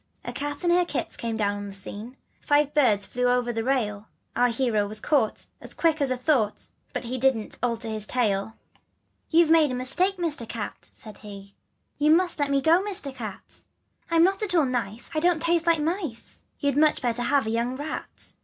" A cat and her kits came down on the scene, Five birds flew over the rail ; Our hero was caught As quick as a thought, And didn't he alter his tale 1 " You've made a mistake, Mister Cat, " said he : "You must please let me go, Mister Cat. I'm not at all nice, I don't taste like mice : You'd much better have a young rat.